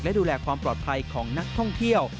และดูแลความปลอดภัยของนักท่องเที่ยว